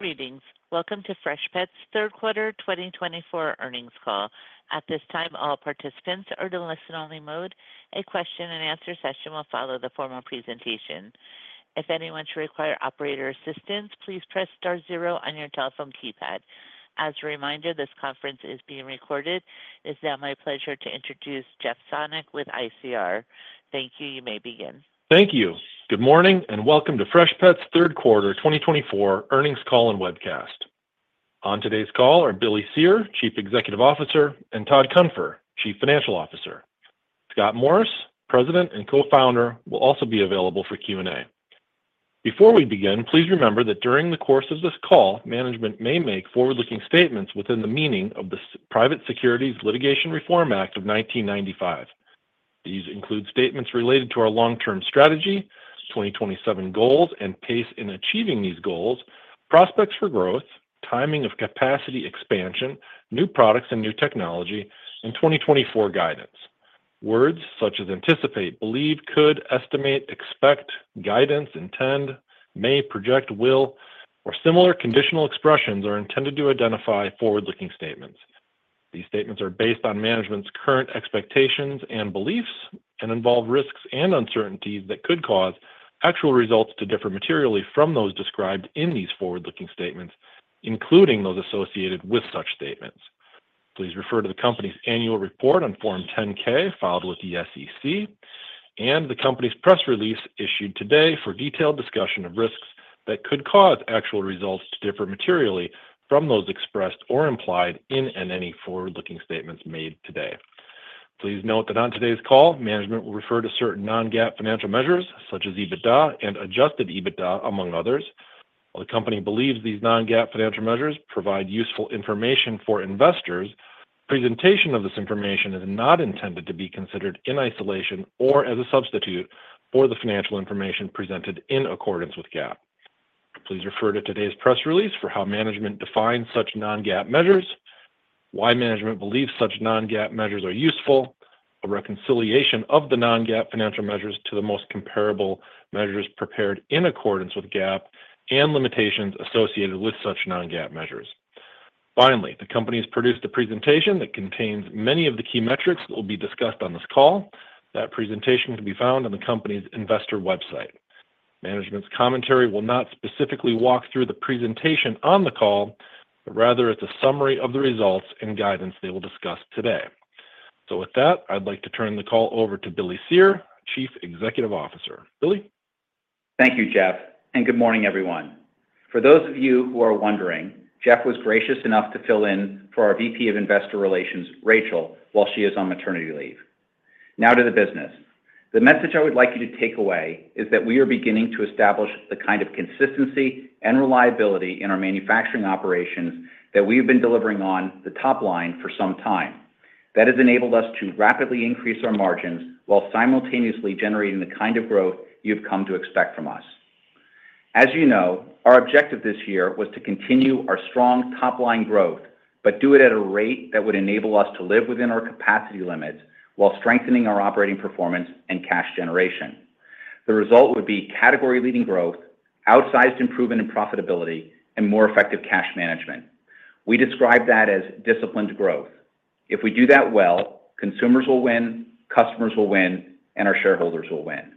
Greetings. Welcome to Freshpet's Q3 2024 earnings call. At this time, all participants are in a listen-only mode. A question-and-answer session will follow the formal presentation. If anyone should require operator assistance, please press star zero on your telephone keypad. As a reminder, this conference is being recorded. It is now my pleasure to introduce Jeff Sonnek with ICR. Thank you. You may begin. Thank you. Good morning and welcome to Freshpet's Q3 2024 Earnings Call and Webcast. On today's call are Billy Cyr, Chief Executive Officer, and Todd Cunfer, Chief Financial Officer. Scott Morris, President and Co-founder, will also be available for Q&A. Before we begin, please remember that during the course of this call, management may make forward-looking statements within the meaning of the Private Securities Litigation Reform Act of 1995. These include statements related to our long-term strategy, 2027 goals, and pace in achieving these goals, prospects for growth, timing of capacity expansion, new products and new technology, and 2024 guidance. Words such as anticipate, believe, could, estimate, expect, guidance, intend, may, project, will, or similar conditional expressions are intended to identify forward-looking statements. These statements are based on management's current expectations and beliefs and involve risks and uncertainties that could cause actual results to differ materially from those described in these forward-looking statements, including those associated with such statements. Please refer to the company's annual report on Form 10-K filed with the SEC and the company's press release issued today for detailed discussion of risks that could cause actual results to differ materially from those expressed or implied in and any forward-looking statements made today. Please note that on today's call, management will refer to certain non-GAAP financial measures such as EBITDA and adjusted EBITDA, among others. While the company believes these non-GAAP financial measures provide useful information for investors, the presentation of this information is not intended to be considered in isolation or as a substitute for the financial information presented in accordance with GAAP. Please refer to today's press release for how management defines such non-GAAP measures, why management believes such non-GAAP measures are useful, a reconciliation of the non-GAAP financial measures to the most comparable measures prepared in accordance with GAAP, and limitations associated with such non-GAAP measures. Finally, the company has produced a presentation that contains many of the key metrics that will be discussed on this call. That presentation can be found on the company's investor website. Management's commentary will not specifically walk through the presentation on the call, but rather it's a summary of the results and guidance they will discuss today. So with that, I'd like to turn the call over to Billy Cyr, Chief Executive Officer. Billy? Thank you, Jeff. And good morning, everyone. For those of you who are wondering, Jeff was gracious enough to fill in for our VP of Investor Relations, Rachel, while she is on maternity leave. Now to the business. The message I would like you to take away is that we are beginning to establish the kind of consistency and reliability in our manufacturing operations that we have been delivering on the top line for some time. That has enabled us to rapidly increase our margins while simultaneously generating the kind of growth you have come to expect from us. As you know, our objective this year was to continue our strong top-line growth, but do it at a rate that would enable us to live within our capacity limits while strengthening our operating performance and cash generation. The result would be category-leading growth, outsized improvement in profitability, and more effective cash management. We describe that as disciplined growth. If we do that well, consumers will win, customers will win, and our shareholders will win.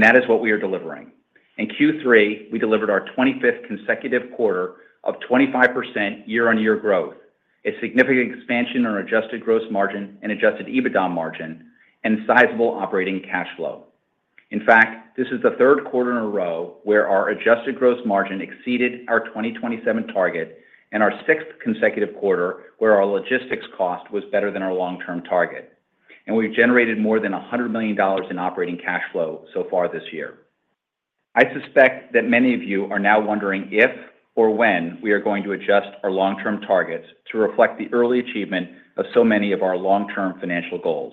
That is what we are delivering. In Q3, we delivered our 25th consecutive quarter of 25% year-over-year growth, a significant expansion in our adjusted gross margin and adjusted EBITDA margin, and sizable operating cash flow. In fact, this is the Q3 in a row where our adjusted gross margin exceeded our 2027 target and our sixth consecutive quarter where our logistics cost was better than our long-term target. We've generated more than $100 million in operating cash flow so far this year. I suspect that many of you are now wondering if or when we are going to adjust our long-term targets to reflect the early achievement of so many of our long-term financial goals.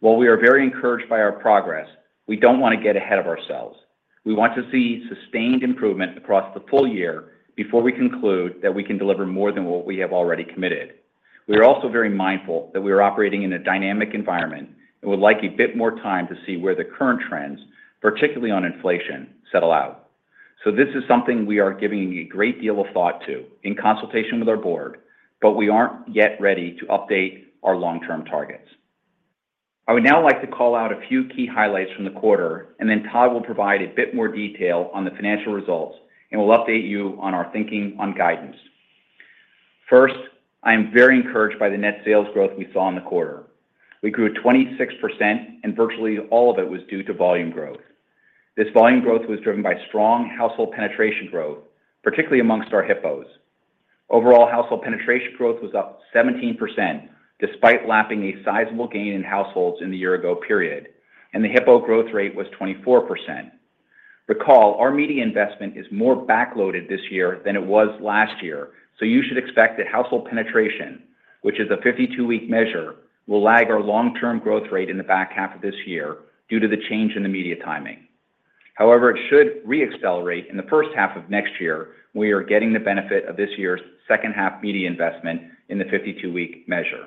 While we are very encouraged by our progress, we don't want to get ahead of ourselves. We want to see sustained improvement across the full year before we conclude that we can deliver more than what we have already committed. We are also very mindful that we are operating in a dynamic environment and would like a bit more time to see where the current trends, particularly on inflation, settle out. So this is something we are giving a great deal of thought to in consultation with our board, but we aren't yet ready to update our long-term targets. I would now like to call out a few key highlights from the quarter, and then Todd will provide a bit more detail on the financial results, and we'll update you on our thinking on guidance. First, I am very encouraged by the net sales growth we saw in the quarter. We grew 26%, and virtually all of it was due to volume growth. This volume growth was driven by strong household penetration growth, particularly amongst our HIPPOs. Overall, household penetration growth was up 17% despite lapping a sizable gain in households in the year-ago period, and the HIPPO growth rate was 24%. Recall, our media investment is more backloaded this year than it was last year, so you should expect that household penetration, which is a 52-week measure, will lag our long-term growth rate in the back half of this year due to the change in the media timing. However, it should re-accelerate in the first half of next year when we are getting the benefit of this year's second-half media investment in the 52-week measure.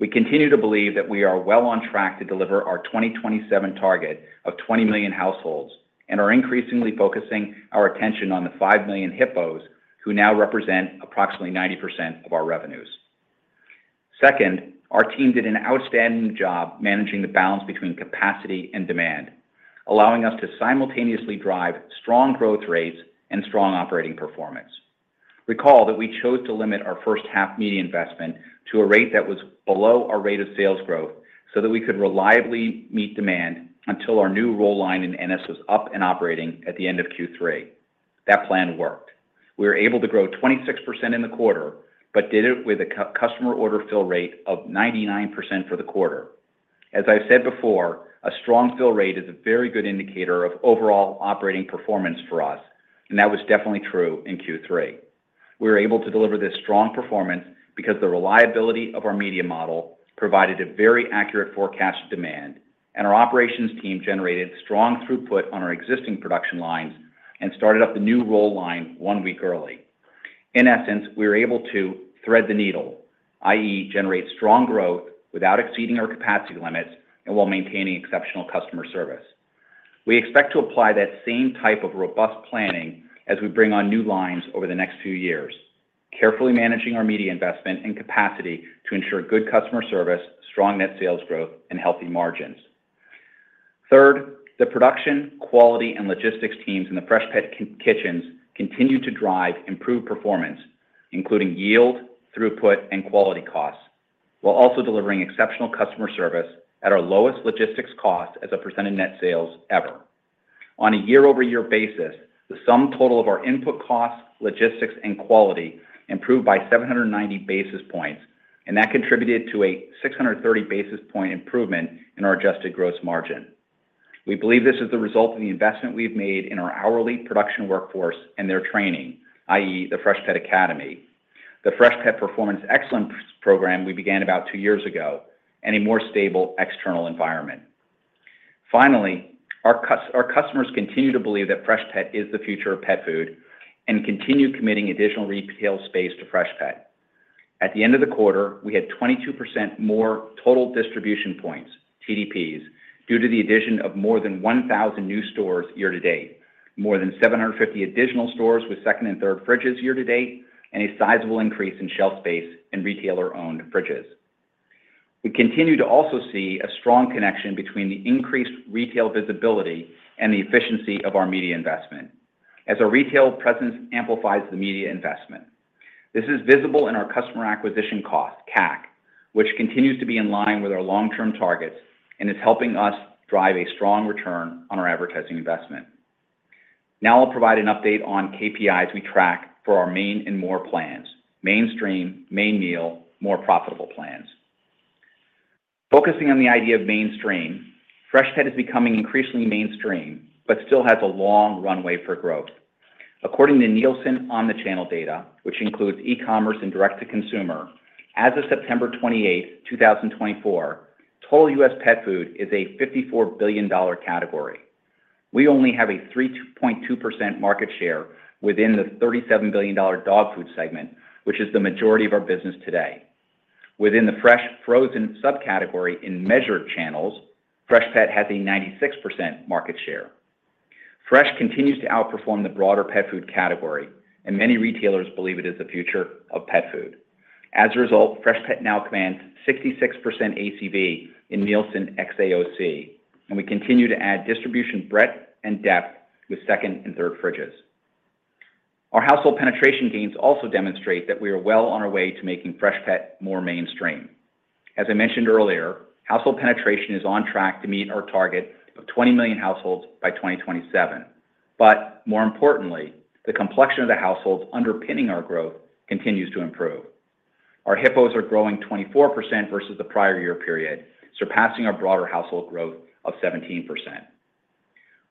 We continue to believe that we are well on track to deliver our 2027 target of 20 million households and are increasingly focusing our attention on the 5 million HIPPOs who now represent approximately 90% of our revenues. Second, our team did an outstanding job managing the balance between capacity and demand, allowing us to simultaneously drive strong growth rates and strong operating performance. Recall that we chose to limit our first-half media investment to a rate that was below our rate of sales growth so that we could reliably meet demand until our new roll line in Ennis was up and operating at the end of Q3. That plan worked. We were able to grow 26% in the quarter but did it with a customer order fill rate of 99% for the quarter. As I've said before, a strong fill rate is a very good indicator of overall operating performance for us, and that was definitely true in Q3. We were able to deliver this strong performance because the reliability of our media model provided a very accurate forecast of demand, and our operations team generated strong throughput on our existing production lines and started up the new roll line one week early. In essence, we were able to thread the needle, i.e., generate strong growth without exceeding our capacity limits and while maintaining exceptional customer service. We expect to apply that same type of robust planning as we bring on new lines over the next few years, carefully managing our media investment and capacity to ensure good customer service, strong net sales growth, and healthy margins. Third, the production, quality, and logistics teams in the Freshpet Kitchens continue to drive improved performance, including yield, throughput, and quality costs, while also delivering exceptional customer service at our lowest logistics cost as a percent of net sales ever. On a year-over-year basis, the sum total of our input costs, logistics, and quality improved by 790 basis points, and that contributed to a 630 basis point improvement in our adjusted gross margin. We believe this is the result of the investment we've made in our hourly production workforce and their training, i.e., the Freshpet Academy. The Freshpet Performance Excellence Program we began about two years ago. A more stable external environment. Finally, our customers continue to believe that Freshpet is the future of pet food and continue committing additional retail space to Freshpet. At the end of the quarter, we had 22% more total distribution points, TDPs, due to the addition of more than 1,000 new stores year-to-date, more than 750 additional stores with second and third fridges year-to-date, and a sizable increase in shelf space in retailer-owned fridges. We continue to also see a strong connection between the increased retail visibility and the efficiency of our media investment, as our retail presence amplifies the media investment. This is visible in our customer acquisition cost, CAC, which continues to be in line with our long-term targets and is helping us drive a strong return on our advertising investment. Now I'll provide an update on KPIs we track for our Main and More plans, mainstream, main meal, more profitable plans. Focusing on the idea of mainstream, Freshpet is becoming increasingly mainstream but still has a long runway for growth. According to Nielsen Omnichannel data, which includes e-commerce and direct-to-consumer, as of September 28, 2024, total US pet food is a $54 billion category. We only have a 3.2% market share within the $37 billion dog food segment, which is the majority of our business today. Within the fresh frozen subcategory in measured channels, Freshpet has a 96% market share. Fresh continues to outperform the broader pet food category, and many retailers believe it is the future of pet food. As a result, Freshpet now commands 66% ACV in Nielsen XAOC, and we continue to add distribution breadth and depth with second and third fridges. Our household penetration gains also demonstrate that we are well on our way to making Freshpet more mainstream. As I mentioned earlier, household penetration is on track to meet our target of 20 million households by 2027. But more importantly, the complexion of the households underpinning our growth continues to improve. Our HIPPOs are growing 24% versus the prior year period, surpassing our broader household growth of 17%.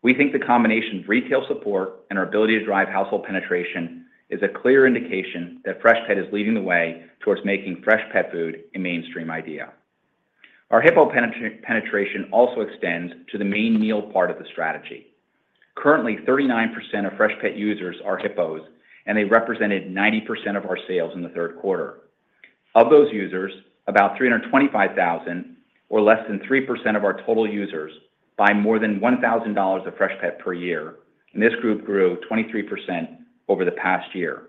We think the combination of retail support and our ability to drive household penetration is a clear indication that Freshpet is leading the way towards making fresh pet food a mainstream idea. Our HIPPO penetration also extends to the main meal part of the strategy. Currently, 39% of Freshpet users are HIPPOs, and they represented 90% of our sales in the Q3. Of those users, about 325,000, or less than 3% of our total users, buy more than $1,000 of Freshpet per year, and this group grew 23% over the past year.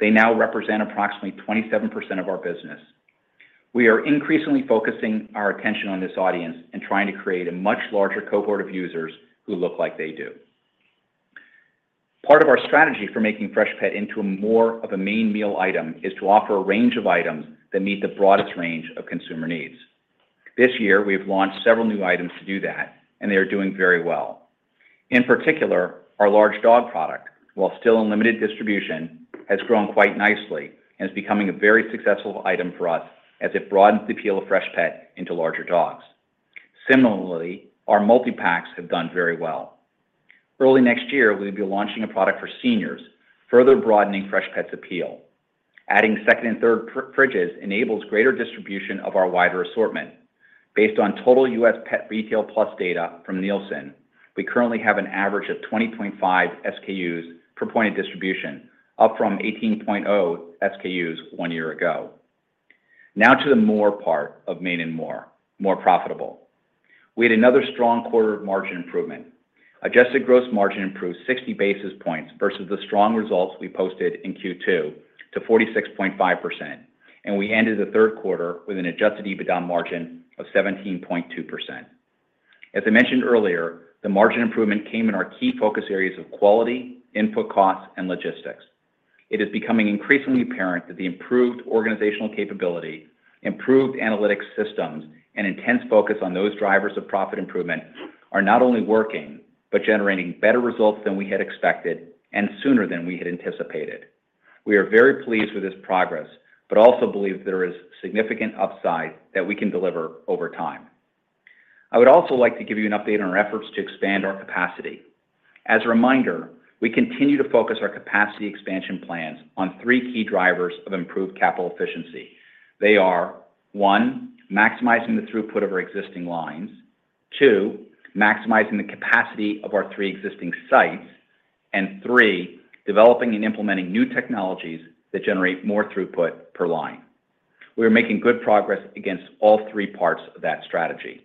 They now represent approximately 27% of our business. We are increasingly focusing our attention on this audience and trying to create a much larger cohort of users who look like they do. Part of our strategy for making Freshpet into more of a main meal item is to offer a range of items that meet the broadest range of consumer needs. This year, we have launched several new items to do that, and they are doing very well. In particular, our large dog product, while still in limited distribution, has grown quite nicely and is becoming a very successful item for us as it broadens the appeal of Freshpet into larger dogs. Similarly, our multi-packs have done very well. Early next year, we will be launching a product for seniors, further broadening Freshpet's appeal. Adding second and third fridges enables greater distribution of our wider assortment. Based on total US Pet Retail Plus data from Nielsen, we currently have an average of 20.5 SKUs per point of distribution, up from 18.0 SKUs one year ago. Now to the more part of Main and More, more profitable. We had another strong quarter of margin improvement. Adjusted gross margin improved 60 basis points versus the strong results we posted in Q2 to 46.5%, and we ended the Q3 with an adjusted EBITDA margin of 17.2%. As I mentioned earlier, the margin improvement came in our key focus areas of quality, input costs, and logistics. It is becoming increasingly apparent that the improved organizational capability, improved analytic systems, and intense focus on those drivers of profit improvement are not only working but generating better results than we had expected and sooner than we had anticipated. We are very pleased with this progress but also believe that there is significant upside that we can deliver over time. I would also like to give you an update on our efforts to expand our capacity. As a reminder, we continue to focus our capacity expansion plans on three key drivers of improved capital efficiency. They are, one, maximizing the throughput of our existing lines, two, maximizing the capacity of our three existing sites, and three, developing and implementing new technologies that generate more throughput per line. We are making good progress against all three parts of that strategy.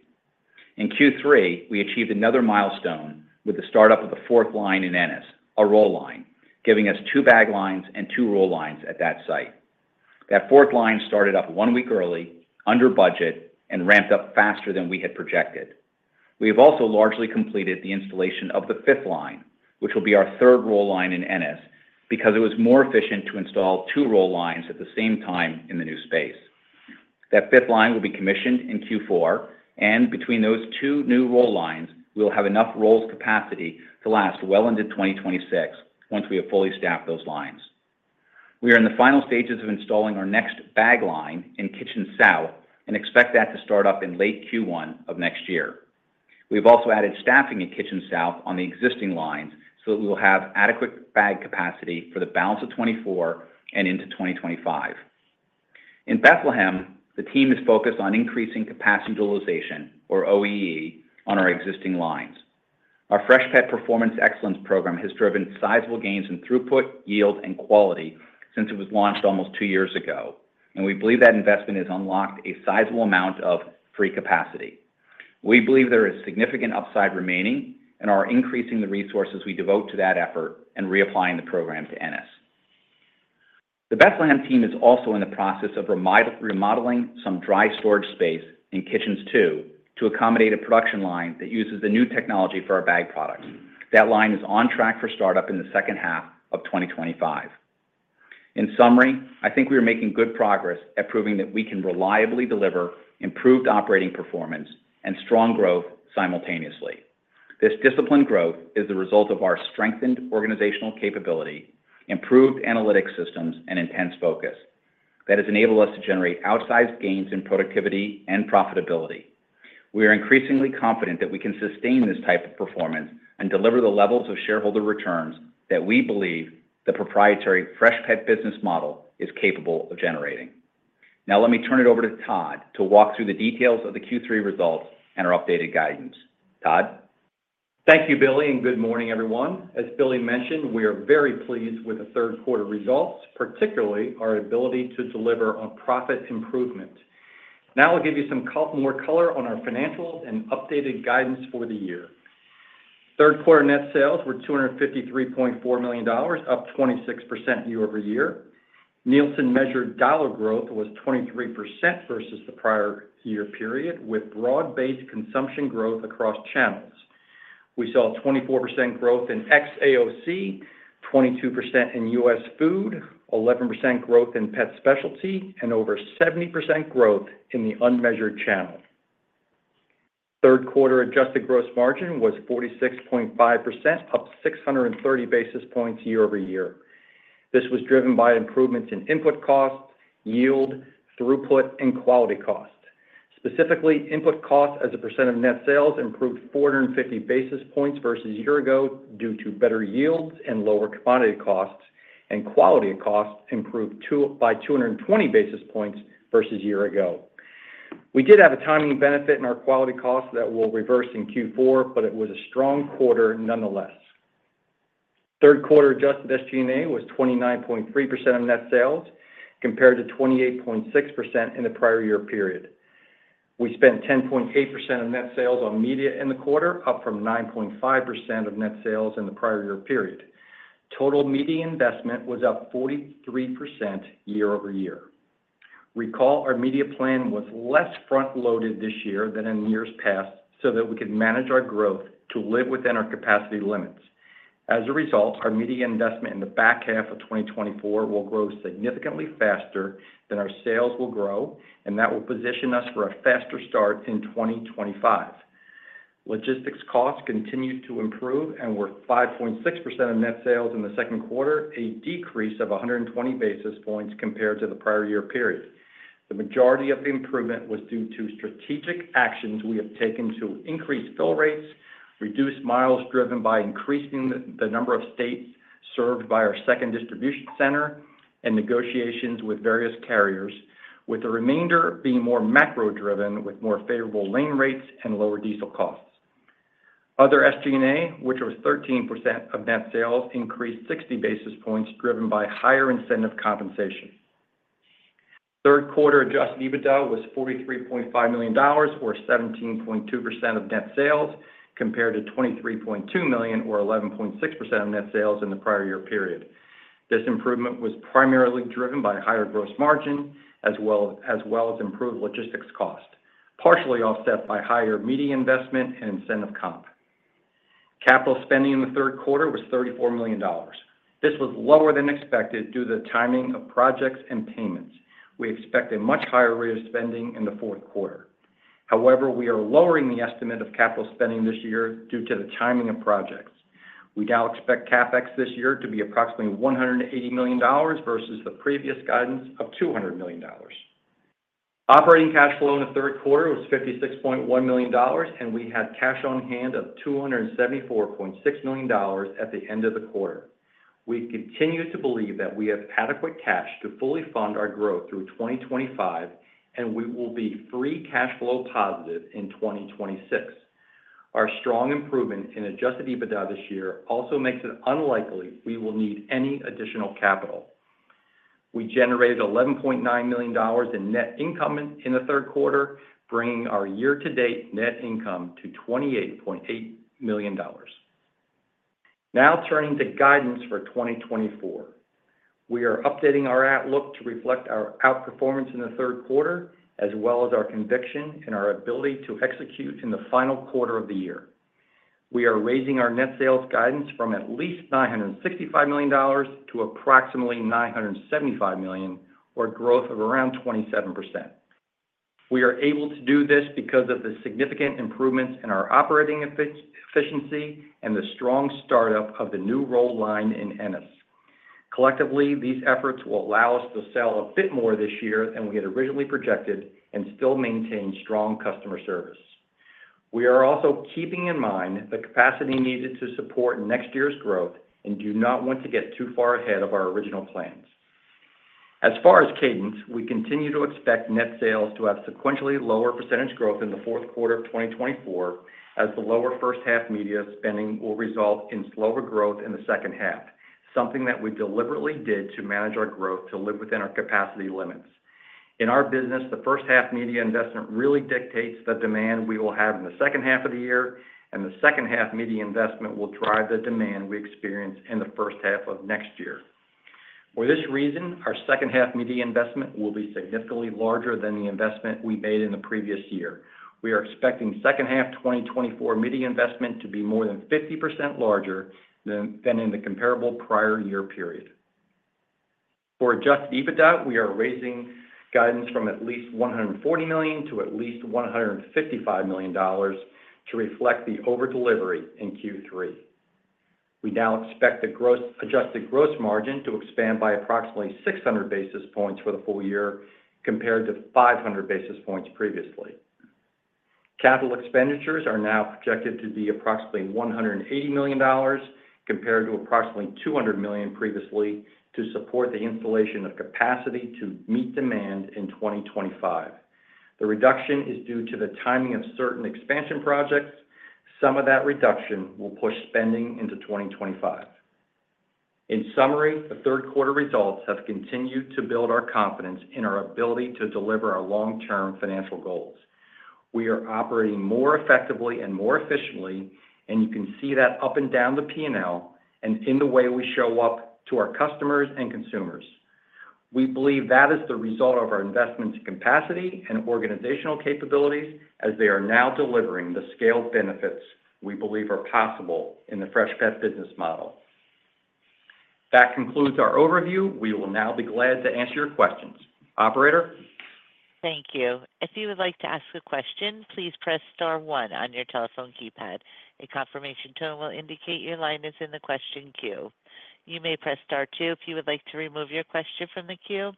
In Q3, we achieved another milestone with the startup of the fourth line in Ennis, a roll line, giving us two bag lines and two roll lines at that site. That fourth line started up one week early, under budget, and ramped up faster than we had projected. We have also largely completed the installation of the fifth line, which will be our third roll line in Ennis because it was more efficient to install two roll lines at the same time in the new space. That fifth line will be commissioned in Q4, and between those two new roll lines, we will have enough rolls capacity to last well into 2026 once we have fully staffed those lines. We are in the final stages of installing our next bag line in Kitchen South and expect that to start up in late Q1 of next year. We have also added staffing at Kitchen South on the existing lines so that we will have adequate bag capacity for the balance of 2024 and into 2025. In Bethlehem, the team is focused on increasing capacity utilization, or OEE, on our existing lines. Our Freshpet Performance Excellence Program has driven sizable gains in throughput, yield, and quality since it was launcheds ago, and we believe that investment has unlocked a sizable amount of free capacity. We believe there is significant upside remaining and are increasing the resources we devote to that effort and reapplying the program to Ennis. The Bethlehem team is also in the process of remodeling some dry storage space in Kitchens 2 to accommodate a production line that uses the new technology for our bag products. That line is on track for startup in the second half of 2025. In summary, I think we are making good progress at proving that we can reliably deliver improved operating performance and strong growth simultaneously. This disciplined growth is the result of our strengthened organizational capability, improved analytic systems, and intense focus that has enabled us to generate outsized gains in productivity and profitability. We are increasingly confident that we can sustain this type of performance and deliver the levels of shareholder returns that we believe the proprietary Freshpet business model is capable of generating. Now, let me turn it over to Todd to walk through the details of the Q3 results and our updated guidance. Todd? Thank you, Billy, and good morning, everyone. As Billy mentioned, we are very pleased with the Q3 results, particularly our ability to deliver on profit improvement. Now I'll give you some more color on our financials and updated guidance for the year. Q3 net sales were $253.4 million, up 26% year-over-year. Nielsen measured dollar growth was 23% versus the prior year period, with broad-based consumption growth across channels. We saw 24% growth in XAOC, 22% in US food, 11% growth in Pet Specialty, and over 70% growth in the unmeasured channel. Q3 adjusted gross margin was 46.5%, up 630 basis points year-over-year. This was driven by improvements in input costs, yield, throughput, and quality costs. Specifically, input costs as a percent of net sales improved 450 basis points versus a year ago due to better yields and lower commodity costs, and quality costs improved by 220 basis points versus a year ago. We did have a timing benefit in our quality costs that we'll reverse in Q4, but it was a strong quarter nonetheless. Q3 adjusted SG&A was 29.3% of net sales compared to 28.6% in the prior year period. We spent 10.8% of net sales on media in the quarter, up from 9.5% of net sales in the prior year period. Total media investment was up 43% year-over-year. Recall our media plan was less front-loaded this year than in years past so that we could manage our growth to live within our capacity limits. As a result, our media investment in the back half of 2024 will grow significantly faster than our sales will grow, and that will position us for a faster start in 2025. Logistics costs continued to improve and were 5.6% of net sales in the Q2, a decrease of 120 basis points compared to the prior year period. The majority of the improvement was due to strategic actions we have taken to increase fill rates, reduce miles driven by increasing the number of states served by our second distribution center, and negotiations with various carriers, with the remainder being more macro-driven with more favorable lane rates and lower diesel costs. Other SG&A, which was 13% of net sales, increased 60 basis points driven by higher incentive compensation. Q3 adjusted EBITDA was $43.5 million, or 17.2% of net sales, compared to $23.2 million, or 11.6% of net sales in the prior year period. This improvement was primarily driven by higher gross margin as well as improved logistics costs, partially offset by higher media investment and incentive comp. Capital spending in the Q3 was $34 million. This was lower than expected due to the timing of projects and payments. We expect a much higher rate of spending in the Q4. However, we are lowering the estimate of capital spending this year due to the timing of projects. We now expect CapEx this year to be approximately $180 million versus the previous guidance of $200 million. Operating cash flow in the Q3 was $56.1 million, and we had cash on hand of $274.6 million at the end of the quarter. We continue to believe that we have adequate cash to fully fund our growth through 2025, and we will be free cash flow positive in 2026. Our strong improvement in Adjusted EBITDA this year also makes it unlikely we will need any additional capital. We generated $11.9 million in net income in the Q3, bringing our year-to-date net income to $28.8 million. Now turning to guidance for 2024, we are updating our outlook to reflect our outperformance in the Q3 as well as our conviction and our ability to execute in the final quarter of the year. We are raising our net sales guidance from at least $965 million to approximately $975 million, or a growth of around 27%. We are able to do this because of the significant improvements in our operating efficiency and the strong startup of the new roll line in Ennis. Collectively, these efforts will allow us to sell a bit more this year than we had originally projected and still maintain strong customer service. We are also keeping in mind the capacity needed to support next year's growth and do not want to get too far ahead of our original plans. As far as cadence, we continue to expect net sales to have sequentially lower percentage growth in the Q4 of 2024 as the lower first-half media spending will result in slower growth in the second half, something that we deliberately did to manage our growth to live within our capacity limits. In our business, the first-half media investment really dictates the demand we will have in the second half of the year, and the second-half media investment will drive the demand we experience in the first half of next year. For this reason, our second-half media investment will be significantly larger than the investment we made in the previous year. We are expecting second-half 2024 media investment to be more than 50% larger than in the comparable prior year period. For Adjusted EBITDA, we are raising guidance from at least $140 million to at least $155 million to reflect the overdelivery in Q3. We now expect the Adjusted gross margin to expand by approximately 600 basis points for the full year compared to 500 basis points previously. Capital expenditures are now projected to be approximately $180 million compared to approximately $200 million previously to support the installation of capacity to meet demand in 2025. The reduction is due to the timing of certain expansion projects. Some of that reduction will push spending into 2025. In summary, the Q3 results have continued to build our confidence in our ability to deliver our long-term financial goals. We are operating more effectively and more efficiently, and you can see that up and down the P&L and in the way we show up to our customers and consumers. We believe that is the result of our investments in capacity and organizational capabilities as they are now delivering the scaled benefits we believe are possible in the Freshpet business model. That concludes our overview. We will now be glad to answer your questions. Operator? Thank you. If you would like to ask a question, please press Star one on your telephone keypad. A confirmation tone will indicate your line is in the question queue. You may press Star two if you would like to remove your question from the queue.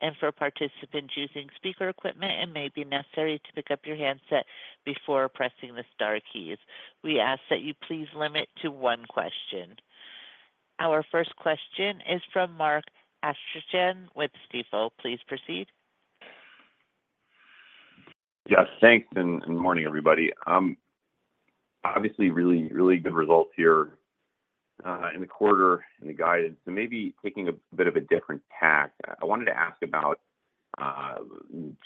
And for participants using speaker equipment, it may be necessary to pick up your handset before pressing the Star keys. We ask that you please limit to one question. Our first question is from Mark Astrachan, with Stifel. Please proceed. Yes, thanks and good morning, everybody. Obviously, really, really good results here in the quarter and the guidance. So maybe taking a bit of a different tack, I wanted to ask about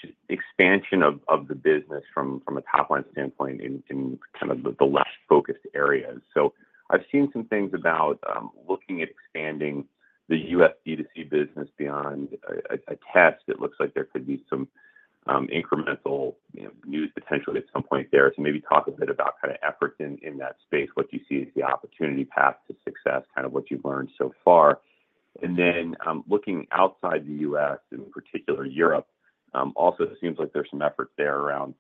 just expansion of the business from a top-line standpoint in kind of the less focused areas. So I've seen some things about looking at expanding the US. D2C business beyond a test. It looks like there could be some incremental news potentially at some point there. So maybe talk a bit about kind of efforts in that space, what you see as the opportunity path to success, kind of what you've learned so far. And then looking outside the US, in particular Europe, also seems like there's some efforts there around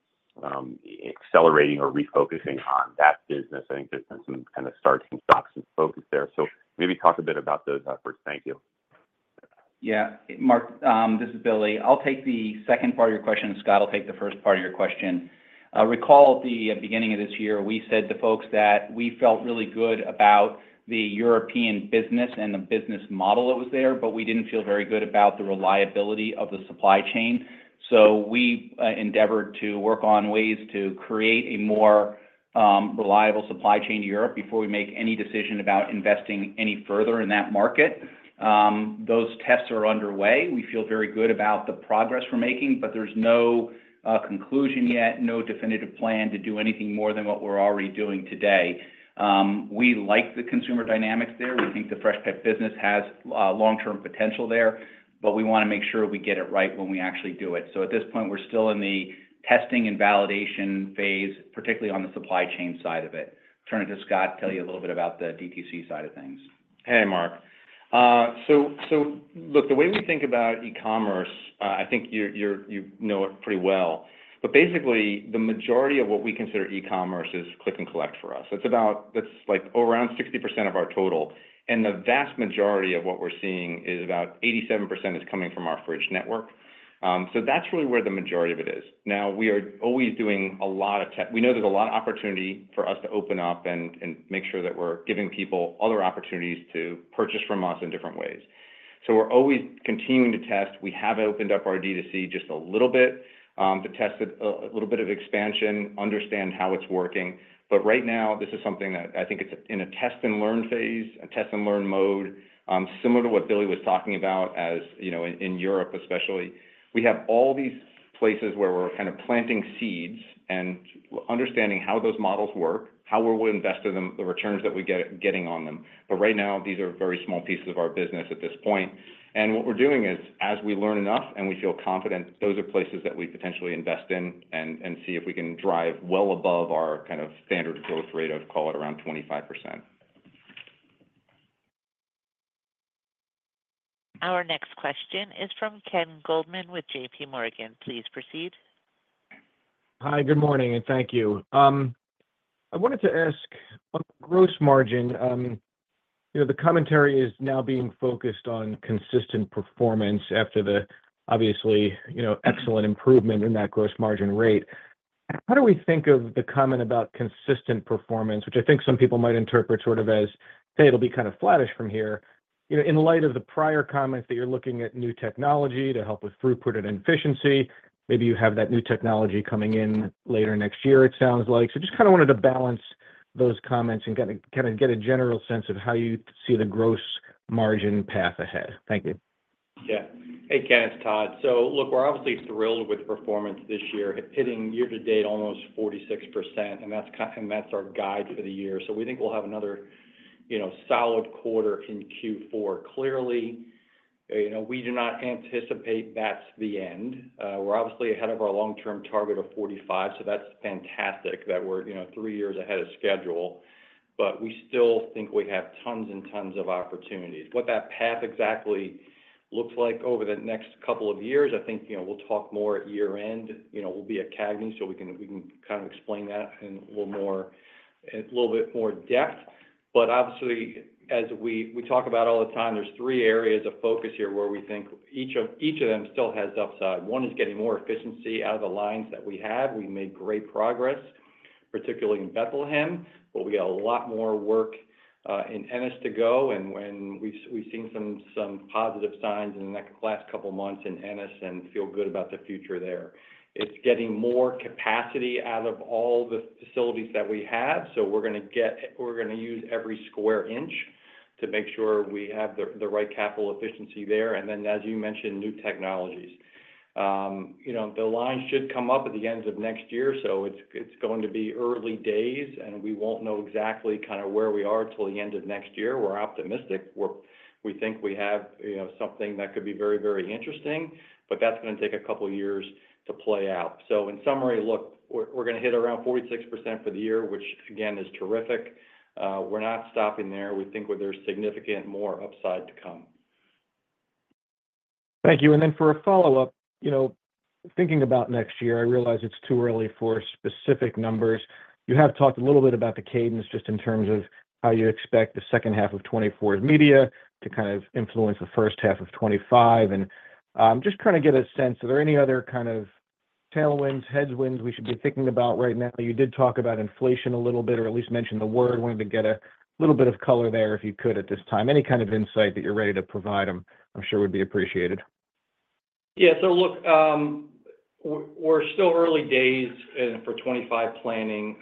accelerating or refocusing on that business. I think there's been some kind of starting stocks and focus there. So maybe talk a bit about those efforts. Thank you. Yeah. Mark, this is Billy. I'll take the second part of your question. Scott will take the first part of your question. Recall the beginning of this year, we said to folks that we felt really good about the European business and the business model that was there, but we didn't feel very good about the reliability of the supply chain, so we endeavored to work on ways to create a more reliable supply chain to Europe before we make any decision about investing any further in that market. Those tests are underway. We feel very good about the progress we're making, but there's no conclusion yet, no definitive plan to do anything more than what we're already doing today. We like the consumer dynamics there. We think the Freshpet business has long-term potential there, but we want to make sure we get it right when we actually do it. So at this point, we're still in the testing and validation phase, particularly on the supply chain side of it. Turn it to Scott to tell you a little bit about the D2C side of things. Hey, Mark. So look, the way we think about e-commerce, I think you know it pretty well. But basically, the majority of what we consider e-commerce is click and collect for us. That's around 60% of our total. And the vast majority of what we're seeing is about 87%, is coming from our fridge network. So that's really where the majority of it is. Now, we are always doing a lot of tests. We know there's a lot of opportunity for us to open up and make sure that we're giving people other opportunities to purchase from us in different ways. So we're always continuing to test. We have opened up our D2C just a little bit to test a little bit of expansion, understand how it's working. But right now, this is something that I think it's in a test-and-learn phase, a test-and-learn mode, similar to what Billy was talking about in Europe, especially. We have all these places where we're kind of planting seeds and understanding how those models work, how we'll invest in them, the returns that we're getting on them. But right now, these are very small pieces of our business at this point. And what we're doing is, as we learn enough and we feel confident, those are places that we potentially invest in and see if we can drive well above our kind of standard growth rate of, call it, around 25%. Our next question is from Ken Goldman with JPMorgan. Please proceed. Hi, good morning, and thank you. I wanted to ask on the gross margin. The commentary is now being focused on consistent performance after the, obviously, excellent improvement in that gross margin rate. How do we think of the comment about consistent performance, which I think some people might interpret sort of as, "Hey, it'll be kind of flattish from here," in light of the prior comments that you're looking at new technology to help with throughput and efficiency? Maybe you have that new technology coming in later next year, it sounds like. So just kind of wanted to balance those comments and kind of get a general sense of how you see the gross margin path ahead. Thank you. Yeah. Hey, Ken, it's Todd. So look, we're obviously thrilled with performance this year, hitting year-to-date almost 46%, and that's our guide for the year. So we think we'll have another solid quarter in Q4. Clearly, we do not anticipate that's the end. We're obviously ahead of our long-term target of 45, so that's fantastic that we're three years ahead of schedule. But we still think we have tons and tons of opportunities. What that path exactly looks like over the next couple of years, I think we'll talk more at year-end. We'll be at CAGNY so we can kind of explain that in a little bit more depth. But obviously, as we talk about all the time, there's three areas of focus here where we think each of them still has upside. One is getting more efficiency out of the lines that we have. We've made great progress, particularly in Bethlehem, but we got a lot more work in Ennis to go. And we've seen some positive signs in the last couple of months in Ennis and feel good about the future there. It's getting more capacity out of all the facilities that we have, so we're going to use every square inch to make sure we have the right capital efficiency there. And then, as you mentioned, new technologies. The lines should come up at the end of next year, so it's going to be early days, and we won't know exactly kind of where we are until the end of next year. We're optimistic. We think we have something that could be very, very interesting, but that's going to take a couple of years to play out. So in summary, look, we're going to hit around 46% for the year, which, again, is terrific. We're not stopping there. We think there's significant more upside to come. Thank you. And then for a follow-up, thinking about next year, I realize it's too early for specific numbers. You have talked a little bit about the cadence just in terms of how you expect the second half of 2024's media to kind of influence the first half of 2025, and just kind of get a sense, are there any other kind of tailwinds, headwinds we should be thinking about right now? You did talk about inflation a little bit or at least mentioned the word. Wanted to get a little bit of color there if you could at this time. Any kind of insight that you're ready to provide them, I'm sure would be appreciated. Yeah, so look, we're still early days for 2025 planning.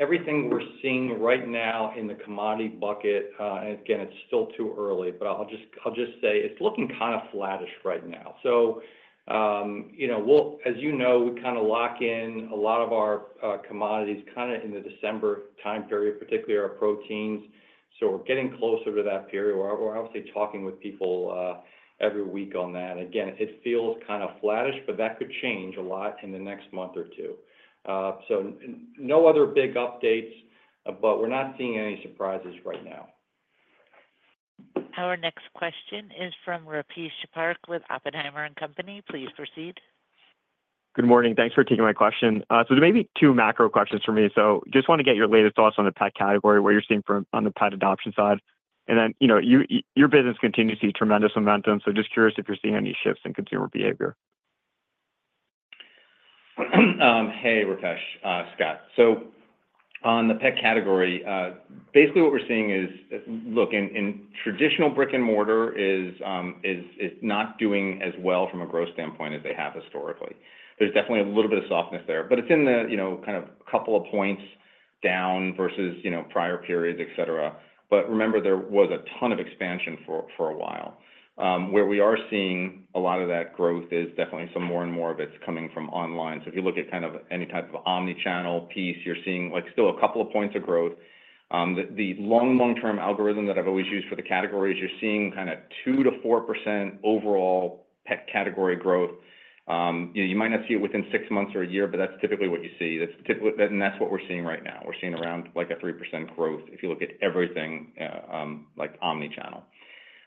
Everything we're seeing right now in the commodity bucket, and again, it's still too early, but I'll just say it's looking kind of flattish right now. So as you know, we kind of lock in a lot of our commodities kind of in the December time period, particularly our proteins. So we're getting closer to that period. We're obviously talking with people every week on that. Again, it feels kind of flattish, but that could change a lot in the next month or two. So no other big updates, but we're not seeing any surprises right now. Our next question is from Rupesh Parikh with Oppenheimer & Co. Please proceed. Good morning. Thanks for taking my question. So there may be two macro questions for me. So just want to get your latest thoughts on the pet category, what you're seeing on the pet adoption side. And then your business continues to see tremendous momentum, so just curious if you're seeing any shifts in consumer behavior. Hey, Rupesh, Scott. On the pet category, basically what we're seeing is, look, in traditional brick and mortar, it's not doing as well from a growth standpoint as they have historically. There's definitely a little bit of softness there, but it's in the kind of couple of points down versus prior periods, etc. But remember, there was a ton of expansion for a while. Where we are seeing a lot of that growth is definitely some more and more of it's coming from online. So if you look at kind of any type of omnichannel piece, you're seeing still a couple of points of growth. The long-term algorithm that I've always used for the category is you're seeing kind of 2% to 4% overall pet category growth. You might not see it within six months or a year, but that's typically what you see. And that's what we're seeing right now. We're seeing around like a 3% growth if you look at everything like omnichannel.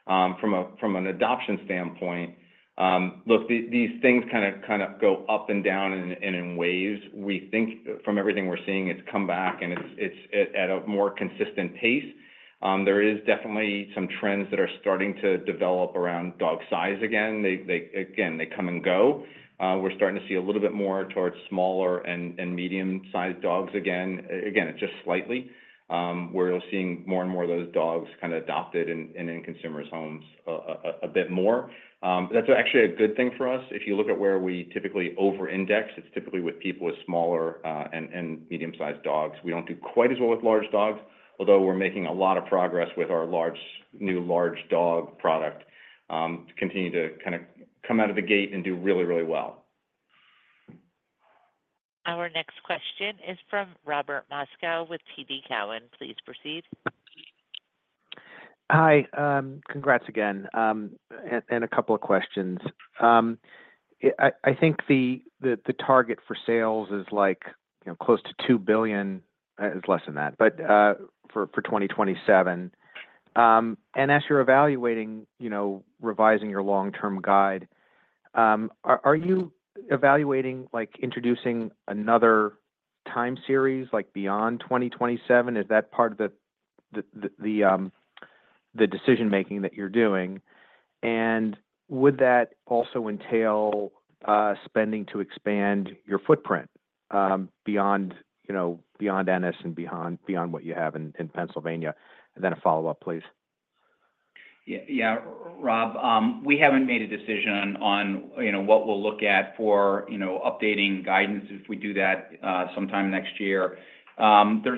From an adoption standpoint, look, these things kind of go up and down in waves. We think from everything we're seeing, it's come back, and it's at a more consistent pace. There is definitely some trends that are starting to develop around dog size again. Again, they come and go. We're starting to see a little bit more towards smaller and medium-sized dogs again. Again, it's just slightly where you're seeing more and more of those dogs kind of adopted and in consumers' homes a bit more. That's actually a good thing for us. If you look at where we typically over-index, it's typically with people with smaller and medium-sized dogs. We don't do quite as well with large dogs, although we're making a lot of progress with our new large dog product to continue to kind of come out of the gate and do really, really well. Our next question is from Robert Moskow with TD Cowen. Please proceed. Hi. Congrats again. And a couple of questions. I think the target for sales is close to $2 billion. It's less than that, but for 2027. And as you're evaluating, revising your long-term guide, are you evaluating introducing another time series beyond 2027? Is that part of the decision-making that you're doing? And would that also entail spending to expand your footprint beyond Ennis and beyond what you have in Pennsylvania? And then a follow-up, please. Yeah. Rob, we haven't made a decision on what we'll look at for updating guidance if we do that sometime next year.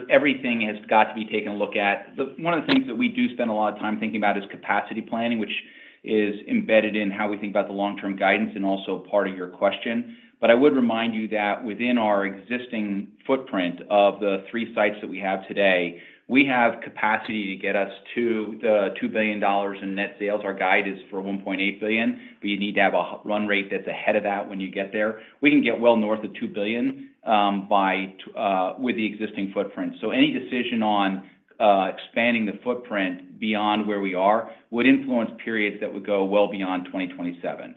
Everything has got to be taken a look at. One of the things that we do spend a lot of time thinking about is capacity planning, which is embedded in how we think about the long-term guidance and also part of your question. But I would remind you that within our existing footprint of the three sites that we have today, we have capacity to get us to the $2 billion in net sales. Our guide is for $1.8 billion, but you need to have a run rate that's ahead of that when you get there. We can get well north of $2 billion with the existing footprint. So any decision on expanding the footprint beyond where we are would influence periods that would go well beyond 2027.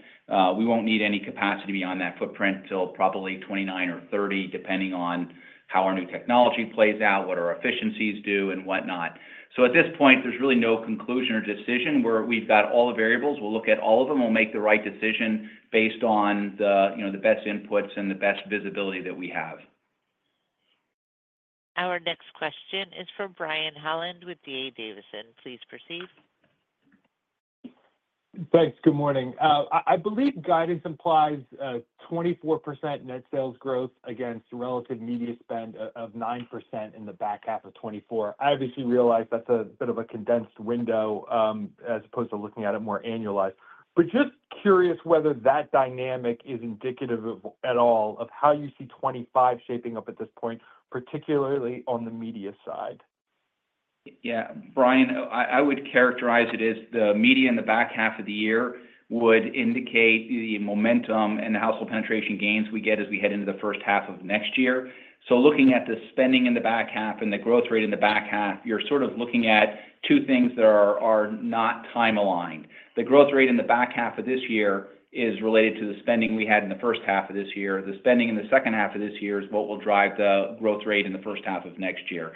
We won't need any capacity beyond that footprint until probably 2029 or 2030, depending on how our new technology plays out, what our efficiencies do, and whatnot. So at this point, there's really no conclusion or decision. We've got all the variables. We'll look at all of them. We'll make the right decision based on the best inputs and the best visibility that we have. Our next question is from Brian Holland with D.A. Davidson. Please proceed. Thanks. Good morning. I believe guidance implies 24% net sales growth against relative media spend of 9% in the back half of 2024. I obviously realize that's a bit of a condensed window as opposed to looking at it more annualized. But just curious whether that dynamic is indicative at all of how you see 2025 shaping up at this point, particularly on the media side. Yeah. Brian, I would characterize it as the media in the back half of the year would indicate the momentum and the household penetration gains we get as we head into the first half of next year. So looking at the spending in the back half and the growth rate in the back half, you're sort of looking at two things that are not time-aligned. The growth rate in the back half of this year is related to the spending we had in the first half of this year. The spending in the second half of this year is what will drive the growth rate in the firsthalf of next year.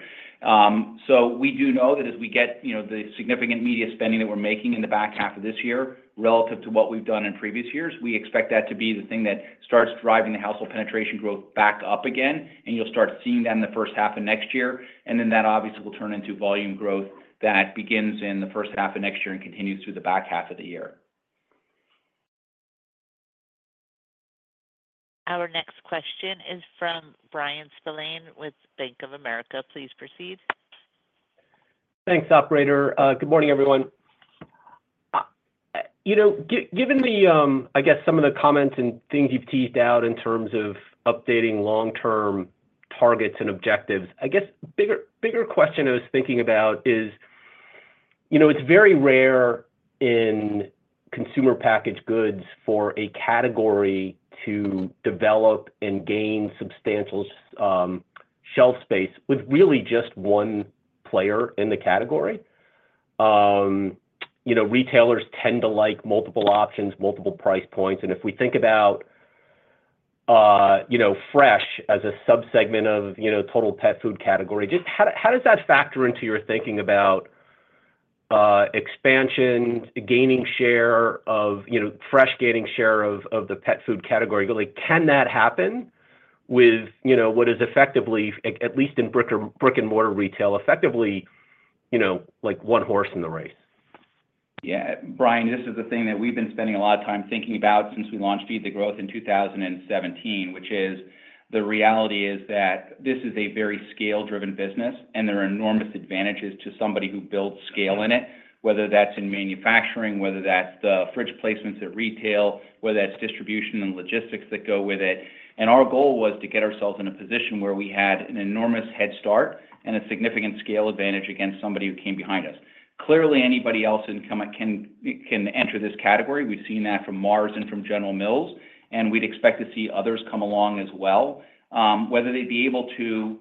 So we do know that as we get the significant media spending that we're making in the back half of this year relative to what we've done in previous years, we expect that to be the thing that starts driving the household penetration growth back up again, and you'll start seeing that in the first half of next year. And then that obviously will turn into volume growth that begins in the first half of next year and continues through the back half of the year. Our next question is from Brian Spillane with Bank of America. Please proceed. Thanks, operator. Good morning, everyone. Given the, I guess, some of the comments and things you've teased out in terms of updating long-term targets and objectives, I guess a bigger question I was thinking about is it's very rare in consumer packaged goods for a category to develop and gain substantial shelf space with really just one player in the category. Retailers tend to like multiple options, multiple price points, and if we think about fresh as a subsegment of total pet food category, how does that factor into your thinking about expansion, gaining share of fresh, gaining share of the pet food category? Can that happen with what is effectively, at least in brick and mortar retail, effectively like one horse in the race? Yeah. Brian, this is the thing that we've been spending a lot of time thinking about since we launched Feed the Growth in 2017, which is the reality is that this is a very scale-driven business, and there are enormous advantages to somebody who builds scale in it, whether that's in manufacturing, whether that's the fridge placements at retail, whether that's distribution and logistics that go with it. And our goal was to get ourselves in a position where we had an enormous head start and a significant scale advantage against somebody who came behind us. Clearly, anybody else can enter this category. We've seen that from Mars and from General Mills, and we'd expect to see others come along as well. Whether they'd be able to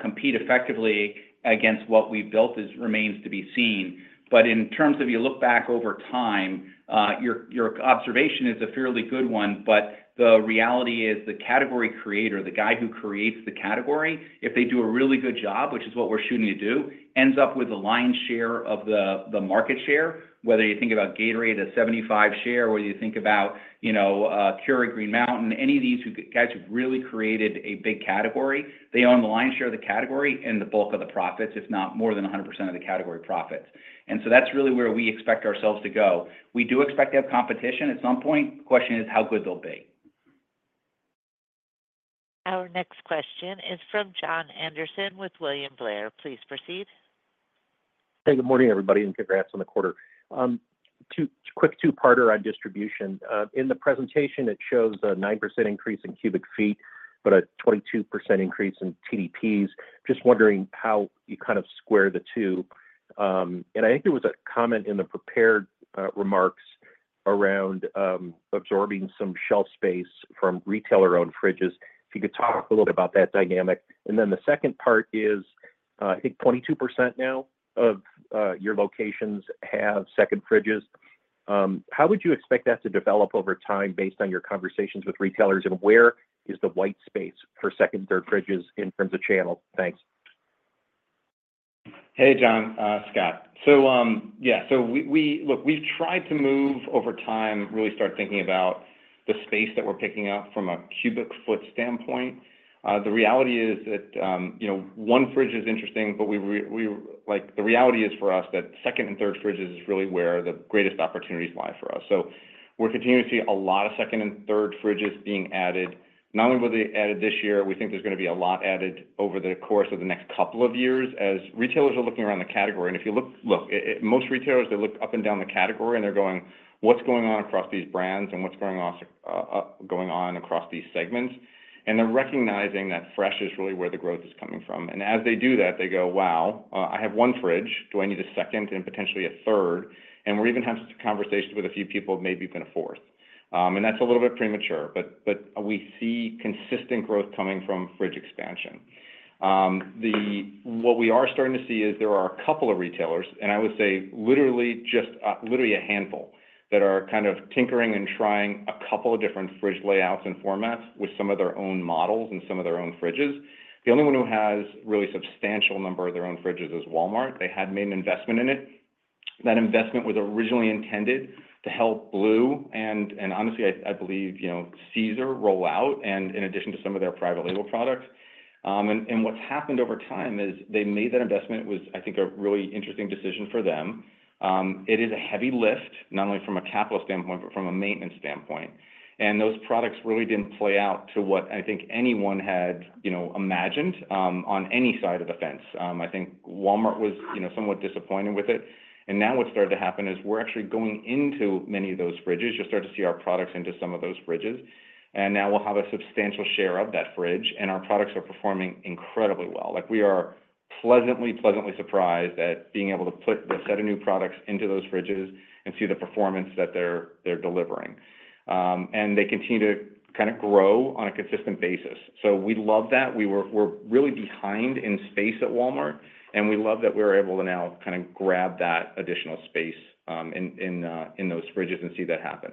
compete effectively against what we've built remains to be seen. But in terms of you look back over time, your observation is a fairly good one, but the reality is the category creator, the guy who creates the category, if they do a really good job, which is what we're shooting to do, ends up with the lion's share of the market share. Whether you think about Gatorade as 75% share, whether you think about Keurig Green Mountain, any of these guys who've really created a big category, they own the lion's share of the category and the bulk of the profits, if not more than 100% of the category profits. And so that's really where we expect ourselves to go. We do expect to have competition at some point. The question is how good they'll be. Our next question is from Jon Andersen with William Blair. Please proceed. Hey, good morning, everybody, and congrats on the quarter. Quick two-parter on distribution. In the presentation, it shows a 9% increase in cubic feet, but a 22% increase in TDPs. Just wondering how you kind of square the two, and I think there was a comment in the prepared remarks around absorbing some shelf space from retailer-owned fridges. If you could talk a little bit about that dynamic, and then the second part is, I think 22% now of your locations have second fridges. How would you expect that to develop over time based on your conversations with retailers, and where is the white space for second and third fridges in terms of channel? Thanks. Hey, Jon, Scott, so yeah, so look, we've tried to move over time, really start thinking about the space that we're picking up from a cubic foot standpoint. The reality is that one fridge is interesting, but the reality is for us that second and third fridges is really where the greatest opportunities lie for us. So we're continuing to see a lot of second and third fridges being added. Not only were they added this year, we think there's going to be a lot added over the course of the next couple of years as retailers are looking around the category. And if you look, most retailers, they look up and down the category, and they're going, "What's going on across these brands, and what's going on across these segments?" And they're recognizing that fresh is really where the growth is coming from. And as they do that, they go, "Wow, I have one fridge. Do I need a second and potentially a third?" And we're even having some conversations with a few people, maybe even a fourth. And that's a little bit premature, but we see consistent growth coming from fridge expansion. What we are starting to see is there are a couple of retailers, and I would say literally just a handful that are kind of tinkering and trying a couple of different fridge layouts and formats with some of their own models and some of their own fridges. The only one who has a really substantial number of their own fridges is Walmart. They had made an investment in it. That investment was originally intended to help Blue and, honestly, I believe, Cesar roll out in addition to some of their private label products. And what's happened over time is they made that investment. It was, I think, a really interesting decision for them. It is a heavy lift, not only from a capital standpoint, but from a maintenance standpoint. And those products really didn't play out to what I think anyone had imagined on any side of the fence. I think Walmart was somewhat disappointed with it. And now what's started to happen is we're actually going into many of those fridges. You'll start to see our products in some of those fridges. And now we'll have a substantial share of that fridge, and our products are performing incredibly well. We are pleasantly, pleasantly surprised at being able to put a set of new products into those fridges and see the performance that they're delivering. And they continue to kind of grow on a consistent basis. So we love that. We're really behind in space at Walmart, and we love that we're able to now kind of grab that additional space in those fridges and see that happen.